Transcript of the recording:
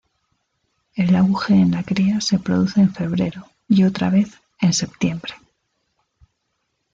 El auge en la cría se produce en febrero y otra vez en septiembre.